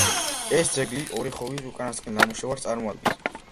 ეს ძეგლი ორეხოვის უკანასკნელ ნამუშევარს წარმოადგენს.